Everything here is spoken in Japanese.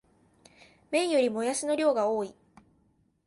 麺よりもやしの量が多い